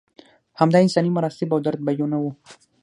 همدا انساني مراسم او درد به یو نه و.